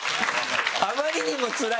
あまりにもつらいとね